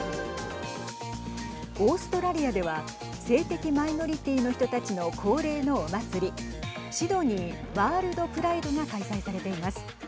オーストラリアでは性的マイノリティーの人たちの恒例のお祭りシドニー・ワールドプライドが開催されています。